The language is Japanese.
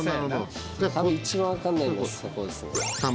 一番分かんないのそこですね。